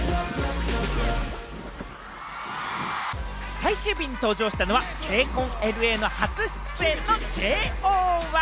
最終日に登場したのはＫＣＯＮＬＡ初出演のＪＯ１。